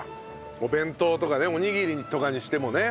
お弁当とかねおにぎりとかにしてもね。